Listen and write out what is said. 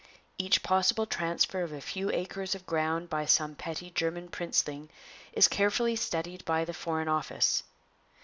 Each possible transfer of a few acres of ground by some petty German princeling is carefully studied by the Foreign Office.